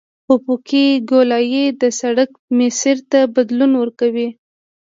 افقي ګولایي د سرک مسیر ته بدلون ورکوي